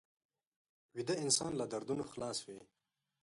ویده انسان له دردونو خلاص وي